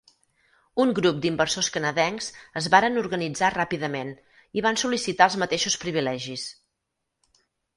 Un grup d'inversors canadencs es varen organitzar ràpidament i van sol·licitar els mateixos privilegis.